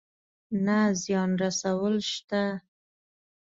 نه زيان رسول شته.